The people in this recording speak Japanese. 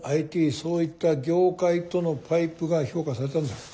そういった業界とのパイプが評価されたんだろう。